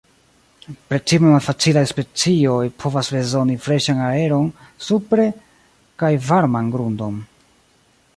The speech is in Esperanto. Precipe malfacilaj specioj povas bezoni freŝan aeron supre kaj varman grundon.